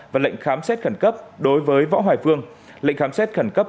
và lệnh khám xét khẩn cấp đối với võ hoài phương lệnh khám xét khẩn cấp